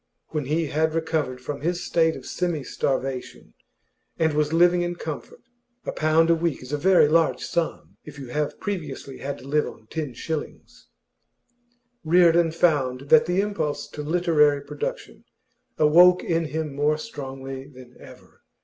When he had recovered from his state of semi starvation, and was living in comfort (a pound a week is a very large sum if you have previously had to live on ten shillings), Reardon found that the impulse to literary production awoke in him more strongly than ever.